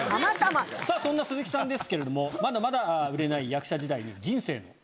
さぁそんな鈴木さんですけれどもまだまだ売れない役者時代に。